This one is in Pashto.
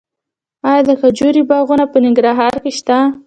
آیا د کجورې باغونه په ننګرهار کې شته؟